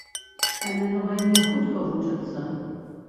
Але на вайне хутка вучацца.